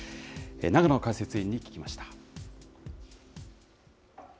永野解説委員に聞きました。